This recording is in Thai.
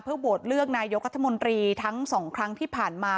โหวตเลือกนายกรัฐมนตรีทั้งสองครั้งที่ผ่านมา